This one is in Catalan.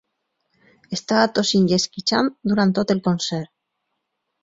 Estava tossint i esquitxant durant tot el concert.